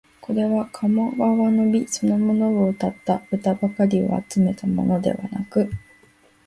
これは鴨川の美そのものをうたった歌ばかりを集めたものではなく、